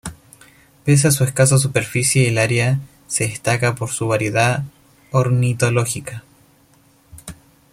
Pese a su escasa superficie, el área se destaca por su variedad ornitológica.